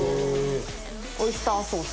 オイスターソース。